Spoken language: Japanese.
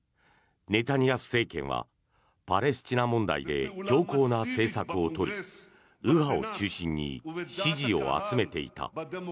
ネタニヤフ政権はパレスチナ問題で強硬な政策を取り右派を中心に支持を集めていた。